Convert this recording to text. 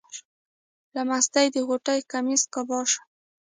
له مستۍ د غوټۍ قمیص قبا شو.